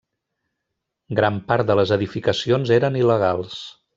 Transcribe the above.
Gran part de les edificacions eren il·legals.